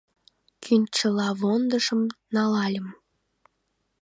Кӱнчылавондашым налальым.